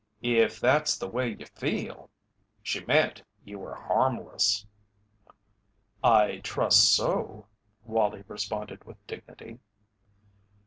"If that's the way you feel she meant you were 'harmless'." "I trust so," Wallie responded with dignity.